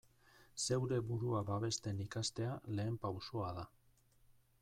Zeure burua babesten ikastea lehen pausoa da.